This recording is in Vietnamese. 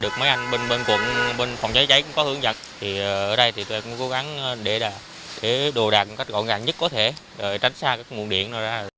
thì tôi cũng cố gắng để đồ đạc một cách gọn gàng nhất có thể rồi tránh xa các nguồn điện ra